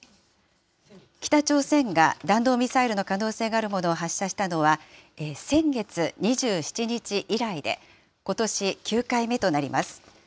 北朝鮮が弾道ミサイルの可能性があるものを発射したのは先月２７日以来で、ことし９回目となります。